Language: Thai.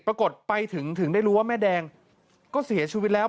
ไปถึงถึงได้รู้ว่าแม่แดงก็เสียชีวิตแล้ว